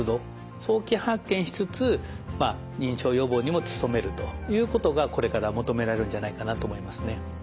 早期発見しつつ認知症予防にも務めるということがこれから求められるんじゃないかなと思いますね。